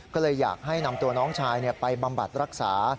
ก็เลยอยากให้นำตัวน้องชายไปบำบัดรักษา